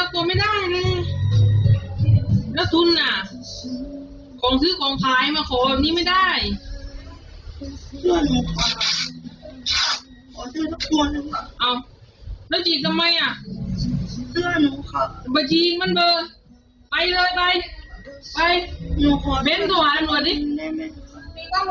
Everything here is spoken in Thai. เป็นตัวหาทางหนูกันสิ